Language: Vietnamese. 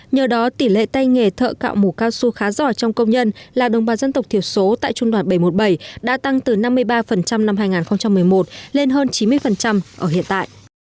nhờ đó tỷ lệ tay nghề thợ cạo mũ cao su khá giỏi trong công nhân là đồng bào dân tộc thiểu số tại trung đoàn bảy trăm một mươi bảy đã tăng từ năm mươi ba năm hai nghìn một mươi một lên hơn chín mươi ở hiện tại